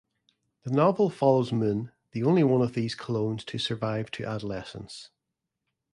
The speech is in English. The novel follows Moon, the only one of these clones to survive to adolescence.